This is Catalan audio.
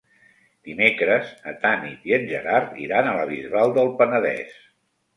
Dimecres na Tanit i en Gerard iran a la Bisbal del Penedès.